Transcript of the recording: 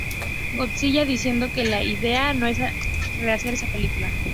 Godzilla", diciendo que "la idea no es rehacer esa película".